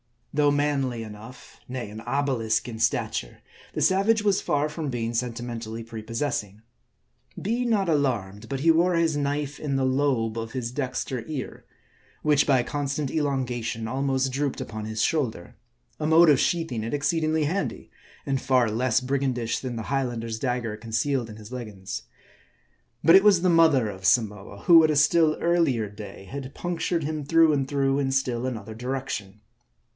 Though manly enough, nay, an obelisk in stature, the savage was far from being sentimentally prepossessing. Be not alarmed ; but he wore his knife in the lobe of his dexter ear, which, by constant elongation almost drooped upon his shoulder. A mode of sheathing it exceedingly handy, and far less brig andish than the Highlander's dagger concealed in his leggins. But it was the mother of Samoa, who at a still earlier day had punctured him through and through in still another direction.